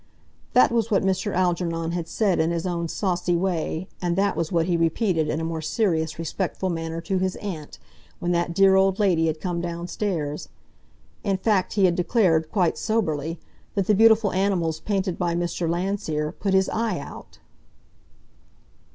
That was what Mr. Algernon had said in his own saucy way, and that was what he repeated in a more serious, respectful manner to his aunt, when that dear old lady had come downstairs. In fact he had declared, quite soberly, that the beautiful animals painted by Mr. Landseer put his eye out!